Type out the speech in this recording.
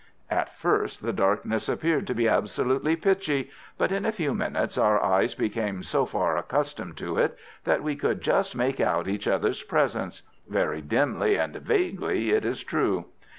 At first the darkness appeared to be absolutely pitchy, but in a few minutes our eyes became so far accustomed to it that we could just make out each other's presence—very dimly and vaguely, it is true.